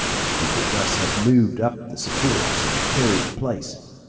We could thus have moved up the supports and carried the place.